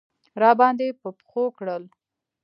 راباندې په پښو کړل.